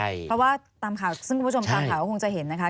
เพราะว่าตามข่าวซึ่งคุณผู้ชมตามข่าวก็คงจะเห็นนะคะ